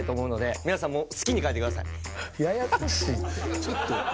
ちょっと。